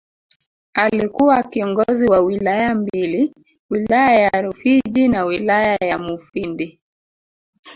Alikuwa kiongozi wa Wilaya mbili Wilaya ya Rufiji na Wilaya ya Mufindi